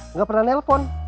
nggak pernah nelpon